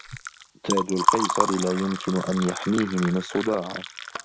تاج القيصر لا يمكن أن يحميه من الصداع.